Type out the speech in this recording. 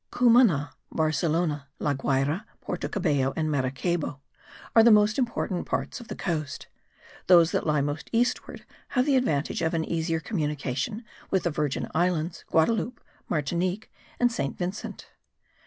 Cumana, Barcelona, La Guayra, Porto Cabello and Maracaybo are the most important parts of the coast; those that lie most eastward have the advantage of an easier communication with the Virgin Islands, Guadaloupe, Martinique and St. Vincent.